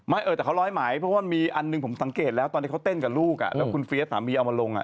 ไม่เออแต่เค้าร้อยไหมเพราะว่ามีอันหนึ่งผมสังเกตแล้วตอนนี้เขาเต้นกับลูกคุณฟีดสามีอ่ามาลง